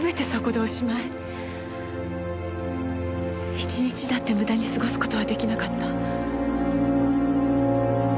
１日だって無駄に過ごす事は出来なかった。